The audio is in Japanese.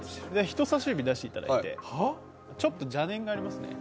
人さし指出していただいて、ちょっと邪念がありますね。